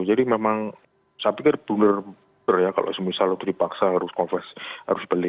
jadi memang saya pikir benar benar ya kalau misalnya itu dipaksa harus beli